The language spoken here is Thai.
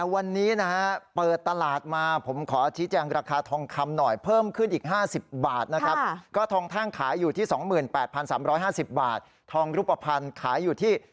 ววดดิงลงเล็กน้อยโอ๊ยขออภัยเพิ่มขึ้นเล็กน้อย